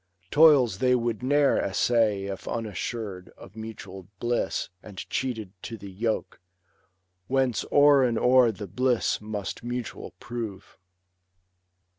Toils they would ne'er essay if unassur'd Of mutual bliss, and cheated to the yoke. Whence o'er and o'er the bliss must mutual prove.